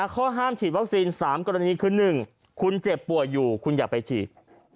ข้อห้ามฉีดวัคซีน๓กรณีคือ๑คุณเจ็บป่วยอยู่คุณอย่าไปฉีด